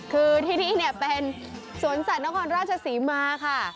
คือที่นี่เป็นสวนสัตว์นครราชศรีมาค่ะ